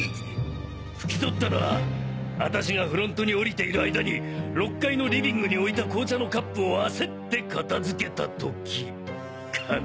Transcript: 拭き取ったのは私がフロントに降りているあいだに６階のリビングに置いた紅茶のカップを焦って片付けた時かな？